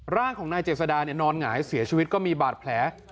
ร่างของนายเจษดานอนหงายเสียชีวิตก็มีบาดแผล